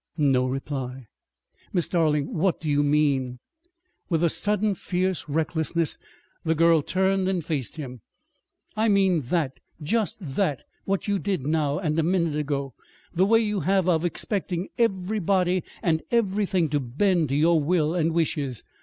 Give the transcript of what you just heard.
No reply. "Miss Darling, what do you mean?" With a sudden fierce recklessness the girl turned and faced him. "I mean that just that what you did now, and a minute ago. The way you have of of expecting everybody and everything to bend to your will and wishes.